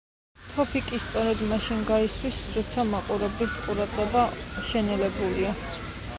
თოფი კი სწორედ მაშინ გაისვრის როცა მაყურებლის ყურადღება შენელებულია.